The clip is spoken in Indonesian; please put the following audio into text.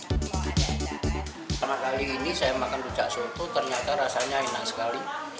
karena kali ini saya makan rujak soto ternyata rasanya enak sekali